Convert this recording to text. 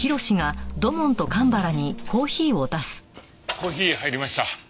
コーヒー入りました。